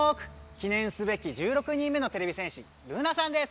記ねんすべき１６人目のてれび戦士ルナさんです！